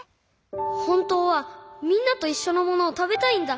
ほんとうはみんなといっしょのものをたべたいんだ。